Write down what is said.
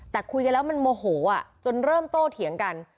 แต่คุยกันแล้วมันโมโหจนเริ่มโตเถียงกัน